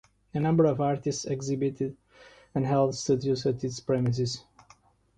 A number of artists exhibited and held studios at its premises.